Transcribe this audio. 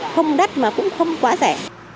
không đắt mà cũng không quá rẻ